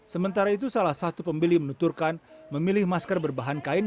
sementara itu salah satu pembeli menuturkan memilih masker berbahan kain